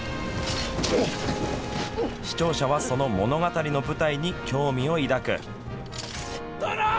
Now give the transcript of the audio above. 視聴者はその物語の舞台に興味を抱く。